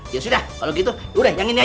ya sudah kalau gitu yaudah yang ini aja